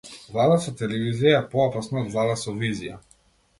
Влада со телевизија е поопасна од влада со визија.